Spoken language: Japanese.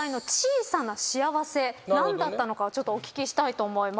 何だったのかちょっとお聞きしたいと思います。